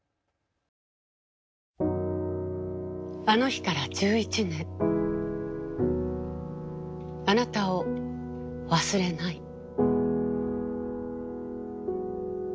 あの日から１１年あなたを忘れない。